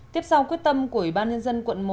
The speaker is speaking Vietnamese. tiếp sau quyết tâm của ủy ban nhân dân quận một